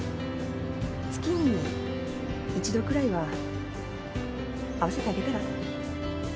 月に一度くらいは会わせてあげたら？